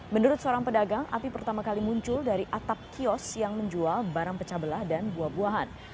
menurut seorang pedagang api pertama kali muncul dari atap kios yang menjual barang pecah belah dan buah buahan